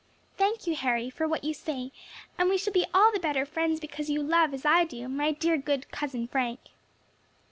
"Thank you, Harry, for what you say, and we shall be all the better friends because you love, as I do, my dear good cousin, Frank."